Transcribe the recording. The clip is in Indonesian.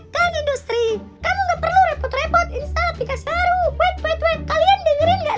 card industry kamu gak perlu repot repot install aplikasi baru wait wait wait kalian dengerin gak